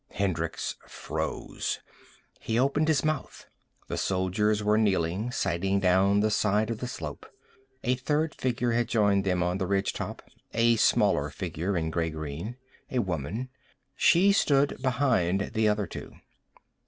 Hendricks froze. He opened his mouth. The soldiers were kneeling, sighting down the side of the slope. A third figure had joined them on the ridge top, a smaller figure in gray green. A woman. She stood behind the other two.